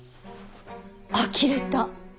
あきれた。